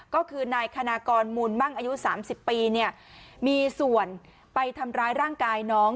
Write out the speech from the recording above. ก็คือนายคณะกรหมุนบ้างอายุสามสิบปีมีส่วนไปทำร้ายร่างกายน้อง